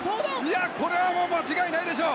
いやこれはもう間違いないでしょう！